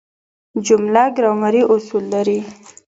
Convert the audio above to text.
جمله ګرامري اصول لري.